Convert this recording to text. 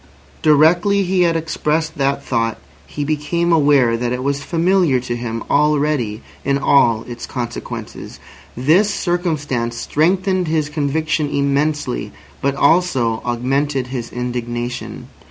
Directly he had expressed that thought he became aware that it was familiar to him already in all its consequences. This circumstance strengthened his conviction immensely, but also augmented his indignation.